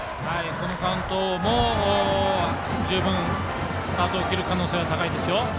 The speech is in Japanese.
このカウントも十分スタートを切る可能性は高いですよ。